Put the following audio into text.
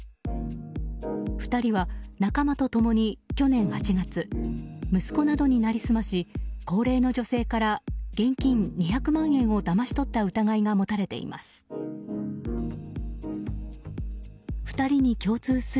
２人は仲間と共に去年８月息子などに成り済まし高齢の女性から現金２００万円をだまし取った疑いが持たれています。